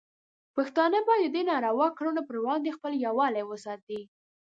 پښتانه باید د دې ناروا کړنو پر وړاندې خپل یووالی وساتي.